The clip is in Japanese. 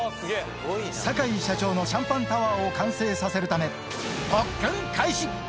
酒井社長のシャンパンタワーを完成させるため、特訓開始。